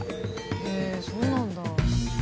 へえそうなんだ。